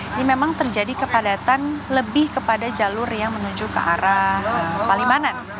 ini memang terjadi kepadatan lebih kepada jalur yang menuju ke arah palimanan